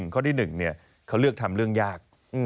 ข้อที่๑เขาเลือกทำเรื่องยาก